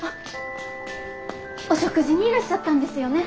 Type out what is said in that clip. お食事にいらっしゃったんですよね？